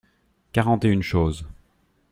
Quarante et une choses.